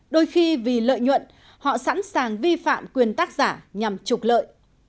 đôi khi vì lợi nhuận họ sẵn sàng vi phạm quyền tác giả nhằm trục lợi